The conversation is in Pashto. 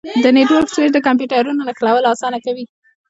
د نیټورک سویچ د کمپیوټرونو نښلول اسانه کوي.